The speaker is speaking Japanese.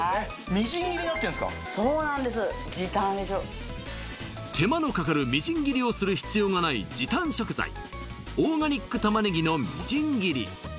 みじん切りになってんですかそうなんです時短でしょ手間のかかるみじん切りをする必要がない時短食材オーガニック玉ねぎのみじん切り